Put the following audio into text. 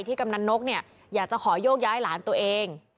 ที่กำนันต์นกอยากจะขอยกย้ายหลานตัวเอง